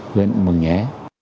huyện mường nhé